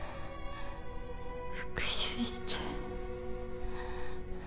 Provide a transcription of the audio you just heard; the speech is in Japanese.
復讐して